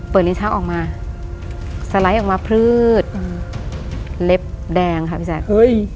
เปิดริมช้าออกมาสไลด์ออกมาพืชเล็บแดงค่ะพี่แซ่งเฮ้ย